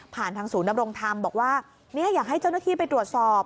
ทางศูนย์ดำรงธรรมบอกว่าเนี่ยอยากให้เจ้าหน้าที่ไปตรวจสอบ